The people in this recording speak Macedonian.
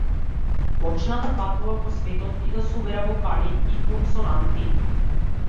Почна да патува по светот и да собира вокали и консонанти.